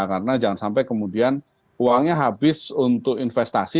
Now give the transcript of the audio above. karena jangan sampai kemudian uangnya habis untuk investasi